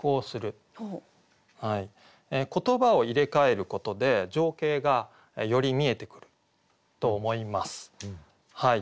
言葉を入れ替えることで情景がより見えてくると思います。